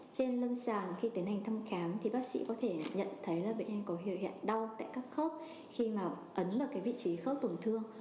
trên lâm sàng khi tiến hành thăm khám thì bác sĩ có thể nhận thấy là bệnh nhân có biểu hiện đau tại các khớp khi mà ấn vào cái vị trí khớp tổn thương